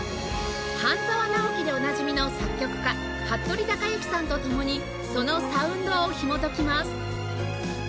『半沢直樹』でおなじみの作曲家服部之さんと共にそのサウンドをひもときます